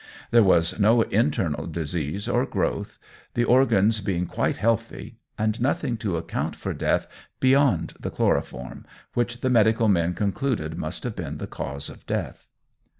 There was no internal disease or growth, the organs being quite healthy, and nothing to account for death beyond the chloroform, which the medical men concluded must have been the cause of death.